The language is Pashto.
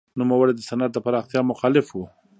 نوموړی د صنعت د پراختیا مخالف و.